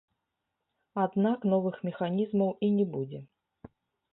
Аднак новых механізмаў і не будзе.